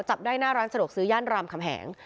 จับได้หน้าร้านสะดวกซื้อย่านรามคำแหง